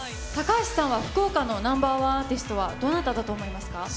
高橋さんは、福岡のナンバー１アーティストはどなただと思いますか？